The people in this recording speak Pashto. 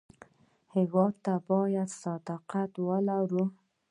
هېواد ته باید صداقت ولرو